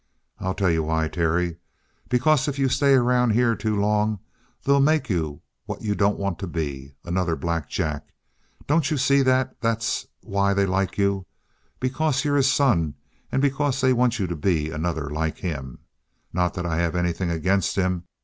"I'll tell you why, Terry. Because if you stay around here too long, they'll make you what you don't want to be another Black Jack. Don't you see that that's why they like you? Because you're his son, and because they want you to be another like him. Not that I have anything against him.